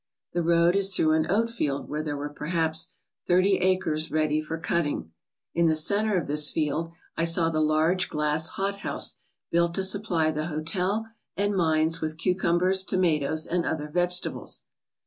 The road is through an oatfield where there were perhaps thirty acres ready for cutting. In the centre of this field I saw the large glass hothouse built to sup ply the hotel and mines with cucumbers, tomatoes, and other vegetables.